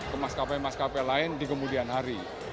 ke maskapai maskapai lain di kemudian hari